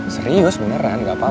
serius beneran gak apa apa